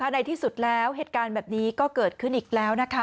ในที่สุดแล้วเหตุการณ์แบบนี้ก็เกิดขึ้นอีกแล้วนะคะ